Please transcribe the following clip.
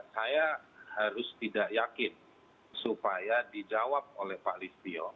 saya harus tidak yakin supaya dijawab oleh pak listio